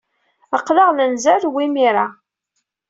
Aql-aɣ la nzerrew imir-a.